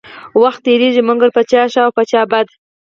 وخت تيريږي مګر په چا ښه او په چا بد.